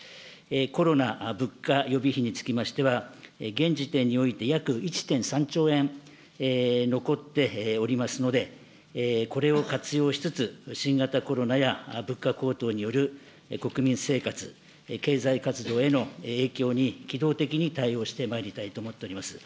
コロナ物価予備費につきましては、現時点において約１．３兆円残っておりますので、これを活用しつつ、新型コロナや物価高騰による国民生活、経済活動への影響に機動的に対応してまいりたいと思っております。